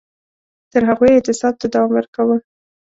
تر هغو یې اعتصاب ته دوام ورکاوه